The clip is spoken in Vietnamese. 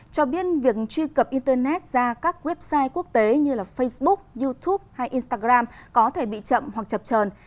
cho biết việc truy cập internet ra các website quốc tế như facebook youtube hay instagram có thể bị chậm hoặc chập trờn